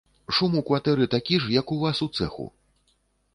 Шум у кватэры такі ж, як і ў вас у цэху.